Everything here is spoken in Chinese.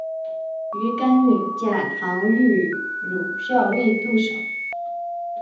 鱼干女嫁唐御侮校尉杜守。